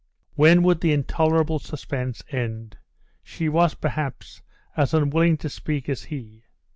When would the intolerable suspense end? She was, perhaps, as unwilling to speak as he.